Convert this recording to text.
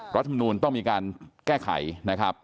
รัฐมนูลต้องมีการแก้ไขนะครับ